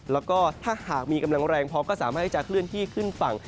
แล้วก็ถ้าหากมีกำลังแรงพอก็สามารถที่จะเคลื่อนที่ขึ้นฝั่ง